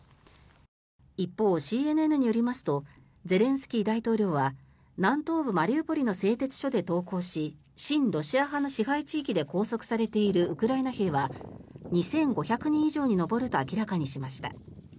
一方、ＣＮＮによりますとゼレンスキー大統領は南東部マリウポリの製鉄所で投降し親ロシア派の支配地域で拘束されているウクライナ兵は２５００人以上に上ると明らかにしました。